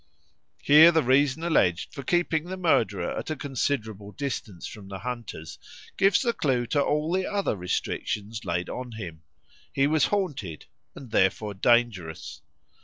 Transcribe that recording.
Here the reason alleged for keeping the murderer at a considerable distance from the hunters gives the clue to all the other restrictions laid on him: he was haunted and therefore dangerous.